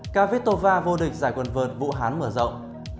cavitova vô địch giải quần vợt vũ hán mở rộng